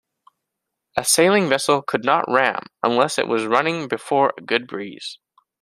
A sailing vessel could not ram unless it was running before a good breeze.